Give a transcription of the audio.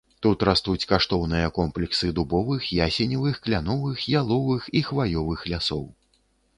Тут растуць каштоўныя комплексы дубовых, ясеневых, кляновых, яловых і хваёвых лясоў.